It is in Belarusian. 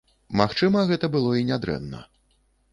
Магчыма, гэта было і нядрэнна.